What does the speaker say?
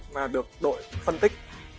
mà được đội phân tích